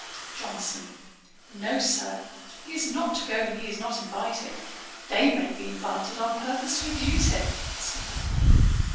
JOHNSON. 'No, Sir; he is not to go when he is not invited. They may be invited on purpose to abuse him' (smiling).